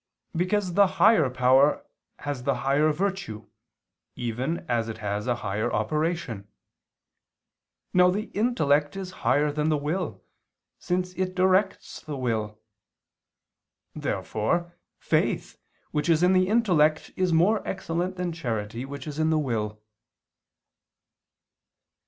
Because the higher power has the higher virtue even as it has a higher operation. Now the intellect is higher than the will, since it directs the will. Therefore, faith, which is in the intellect, is more excellent than charity which is in the will.